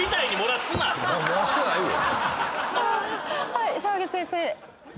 はい澤口先生。